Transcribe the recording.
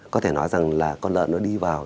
có thể nói rằng là con lợn nó đi vào